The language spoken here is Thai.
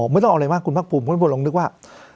ไม่ต้องเอาอะไรมากคุณพักภูมิไม่ต้องลองนึกว่า